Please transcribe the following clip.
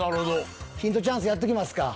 ヒントチャンスやっときますか？